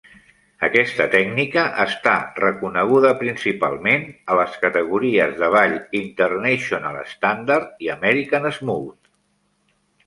Aquesta tècnica està reconeguda principalment a les categories de ball International Standard i American Smooth.